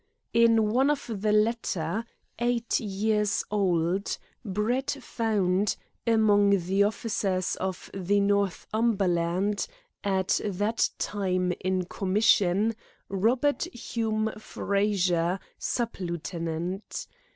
In one of the latter, eight years old, Brett found, among the officers of the Northumberland, at that time in commission, "Robert Hume Fraser, sub lieutenant."